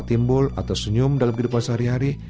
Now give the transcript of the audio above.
timbul atau senyum dalam kehidupan sehari hari